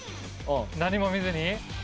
何も見ずに？